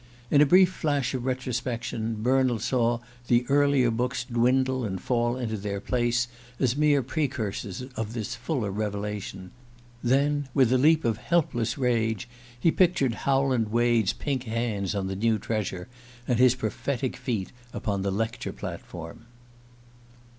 In a brief flash of retrospection Bernald saw the earlier books dwindle and fall into their place as mere precursors of this fuller revelation; then, with a leap of helpless rage, he pictured Howland Wade's pink hands on the new treasure, and his prophetic feet upon the lecture platform.